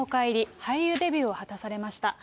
俳優デビューを果たされました。